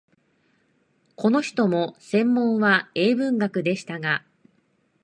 この人も専門は英文学でしたが、